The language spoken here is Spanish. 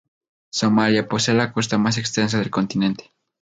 Somalia posee la costa más extensa del continente.